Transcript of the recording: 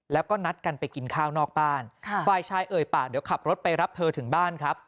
แล้วก็นัดกันไปกินข้าวนอกบ้านฝ่ายชายเอ่ยปากเดี๋ยวขับรถไปรับเธอถึงบ้านครับ